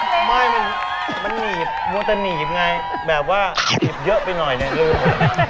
ไม่มันหนีบมัวแต่หนีบไงแบบว่าหนีบเยอะไปหน่อยเนี่ยลืม